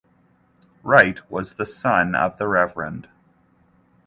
Wright was the son of the Rev.